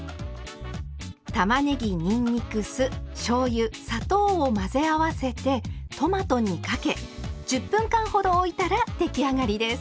たまねぎにんにく酢しょうゆ砂糖を混ぜ合わせてトマトにかけ１０分間ほどおいたら出来上がりです。